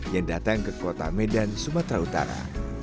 yang datang ke kota medan sumatera utara